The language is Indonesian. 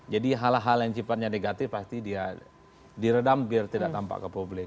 jadi hal hal yang cipatnya negatif pasti dia diredam biar tidak tampak ke publik